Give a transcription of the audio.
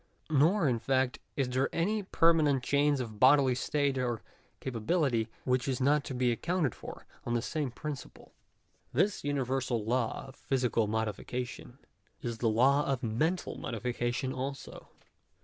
Nor in fact, is there any permanent change of bodily state or capability, which is not to be ac counted for on the same principle. This universal law of physical modification, is the law of mental modification also.